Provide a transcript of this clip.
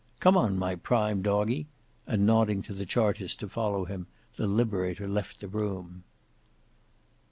Come on my prime Doggy," and nodding to the Chartist to follow him, the Liberator left the room.